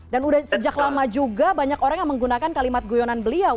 dan udah sejak lama juga banyak orang yang menggunakan kalimat guyonan beliau